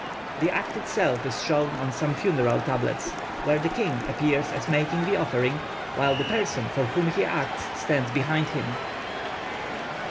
The act itself is shown on some funeral tablets, where the king appears as making the offering, while the person for whom he acts stands behind him.